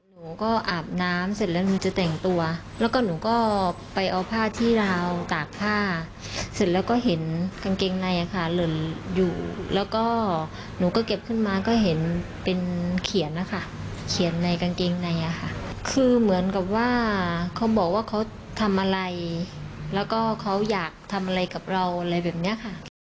หนูก็อาบน้ำเสร็จแล้วหนูจะแต่งตัวแล้วก็หนูก็ไปเอาผ้าที่ราวตากผ้าเสร็จแล้วก็เห็นกางเกงในอะค่ะหล่นอยู่แล้วก็หนูก็เก็บขึ้นมาก็เห็นเป็นเขียนนะคะเขียนในกางเกงในอะค่ะคือเหมือนกับว่าเขาบอกว่าเขาทำอะไรแล้วก็เขาอยากทำอะไรกับเราอะไรแบบเนี้ยค่ะ